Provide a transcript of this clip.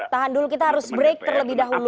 tahan dulu kita harus break terlebih dahulu